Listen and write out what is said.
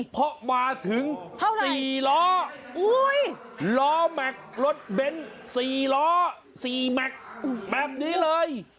เพราะมาถึง๔ล้อล้อแม็กซ์รถเบ้น๔ล้อ๔แม็กซ์แบบนี้เลย